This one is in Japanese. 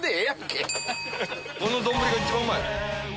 この丼が一番うまい。